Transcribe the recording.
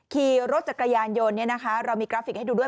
ขี่รถจักรยานยนต์เรามีกราฟิกให้ดูด้วย